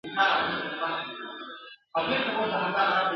پر پردي ولات اوسېږم له اغیار سره مي ژوند دی ..